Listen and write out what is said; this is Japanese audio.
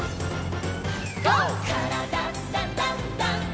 「からだダンダンダン」